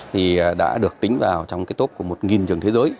thì đã được tính vào trong cái tốp của một trường thế giới